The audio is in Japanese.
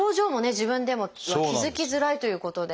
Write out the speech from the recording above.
自分では気付きづらいということで。